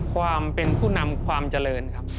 ความเป็นผู้นำความเจริญครับ